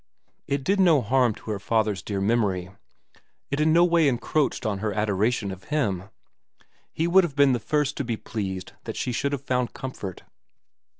It did no harm to her father's dear memory ; it in no way encroached on her adoration of him. He would have been the first to be pleased that she should have found comfort.